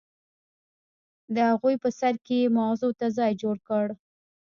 د اغوئ په سر کې يې ماغزو ته ځای جوړ کړی.